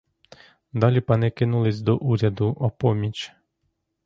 Далі пани кинулись до уряду о поміч.